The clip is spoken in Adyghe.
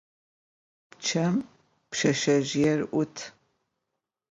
Pççem pşseşsezjıêr 'ut.